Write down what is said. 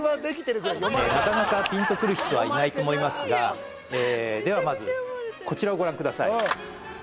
なかなかピンとくる人はいないと思いますがではまずこちらをご覧ください